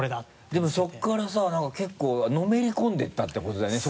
でもそこからさなんか結構のめり込んでいったって事だよね